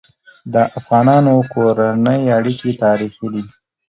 د افغانانو کورنی اړيکي تاریخي دي.